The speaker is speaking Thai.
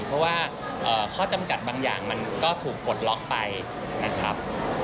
เพราะว่าข้อจำกัดบางอย่างมันก็ถูกปลดล็อกไปนะครับ